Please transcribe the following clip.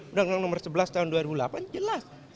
undang undang nomor sebelas tahun dua ribu delapan jelas